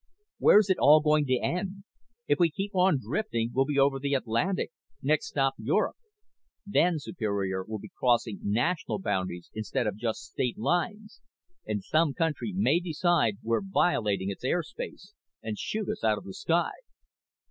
"Where's it all going to end? If we keep on drifting we'll be over the Atlantic next stop Europe. Then Superior will be crossing national boundaries instead of just state lines, and some country may decide we're violating its air space and shoot us out of the sky."